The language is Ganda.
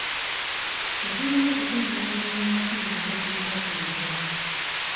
Tetulina kukungaanira mu masinzizo ku lunaku luno.